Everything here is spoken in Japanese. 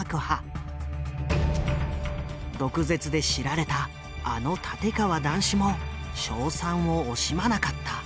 毒舌で知られたあの立川談志も称賛を惜しまなかった。